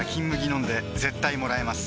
飲んで絶対もらえます